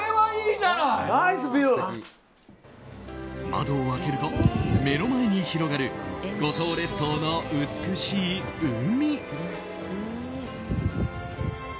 窓を開けると、目の前に広がる五島列島の美しい海。